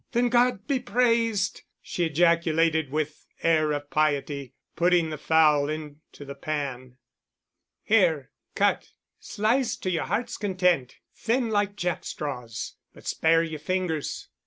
"Then God be praised!" she ejaculated with air of piety, putting the fowl into the pan. "Here. Cut. Slice to your heart's content, thin—like jack straws. But spare your fingers."